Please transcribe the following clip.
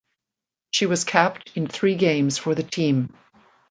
She was capped in three games for the team.